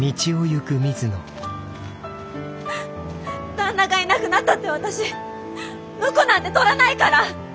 旦那がいなくなったって私婿なんて取らないから。